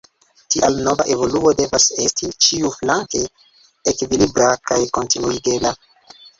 Tial nova evoluo devas esti ĉiuflanke ekvilibra kaj kontinuigebla.